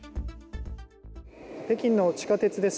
北京の地下鉄です。